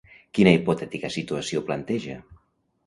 Quina hipotètica situació planteja?